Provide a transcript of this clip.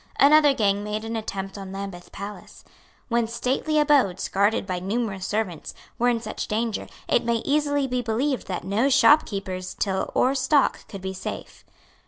Another gang made an attempt on Lambeth Palace. When stately abodes, guarded by numerous servants, were in such danger, it may easily be believed that no shopkeeper's till or stock could be safe.